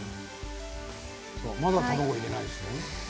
まだ卵を入れないんですね。